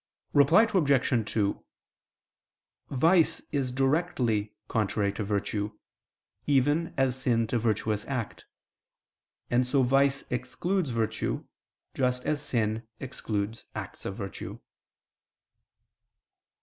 Reply Obj. 2: Vice is directly contrary to virtue, even as sin to virtuous act: and so vice excludes virtue, just as sin excludes acts of virtue.